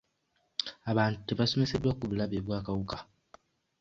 Abantu tebasomeseddwa ku bulabe bw'akawuka.